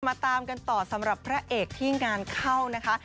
ตามกันต่อสำหรับพระเอกที่งานเข้านะคะ